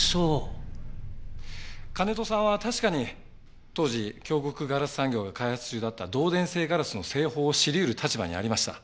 金戸さんは確かに当時京極硝子産業が開発中だった導電性ガラスの製法を知り得る立場にありました。